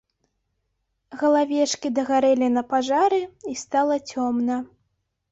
Галавешкі дагарэлі на пажары, і стала цёмна.